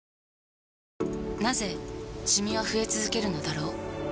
なぜシミは増え続けるのだろう